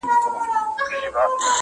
• غربته ستا په شتون کي وسوه په ما,